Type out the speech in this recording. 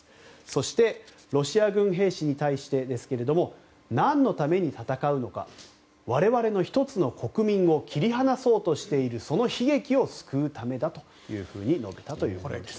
そしてロシア軍兵士に対してですが何のために戦うのか我々のひとつの国民を切り離そうとしているその悲劇を救うためだというふうに述べたということです。